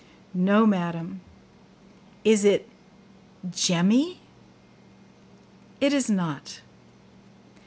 'No, madam!' 'Is it JEMMY?' 'It is not.